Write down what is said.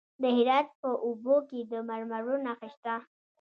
د هرات په اوبې کې د مرمرو نښې شته.